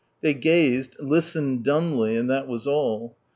They gazed, listened dumbly, and that was ail.